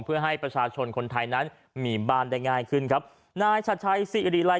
เพื่อให้ประชาชนคนไทยนั้นมีบ้านได้ง่ายขึ้นครับนายชัดชัยสิริลัย